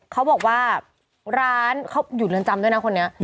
เขาบอกว่าร้านเขาอยู่เรือนจำด้วยนะคนนี้